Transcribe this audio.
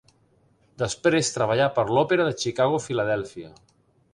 Després treballà per l'òpera de Chicago–Filadèlfia.